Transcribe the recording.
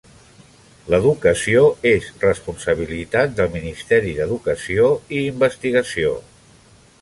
L"educació és responsabilitat del Ministeri d"Educació i Investigació.